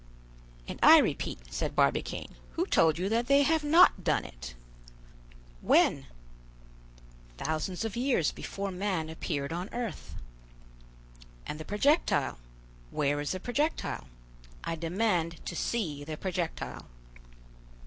"And I repeat," said Barbicane; "who told you that they have not done it?" "When?" "Thousands of years before man appeared on earth." "And the projectile—where is the projectile? I demand to see the projectile."